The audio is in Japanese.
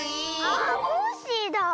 あコッシーだ！